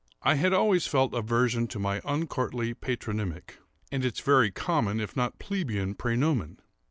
I had always felt aversion to my uncourtly patronymic, and its very common, if not plebeian praenomen.